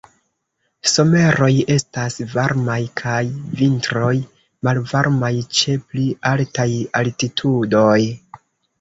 Someroj estas varmaj kaj vintroj malvarmaj ĉe pli altaj altitudoj.